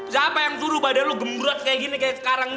siapa yang suruh badan lo gembrut kayak gini kayak sekarang